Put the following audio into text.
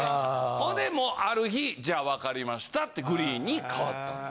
ほんでもうある日じゃあ分かりましたってグリーンに変わったんです。